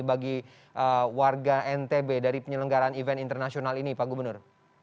bagi warga ntb dari penyelenggaran event internasional ini pak gubernur